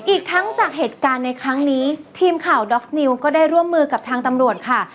อีกทั้งจากเหตุการณ์ในครั้งนี้ทีมข่าวดอฟนิวก็ได้ร่วมมือกับทางตำรวจค่ะ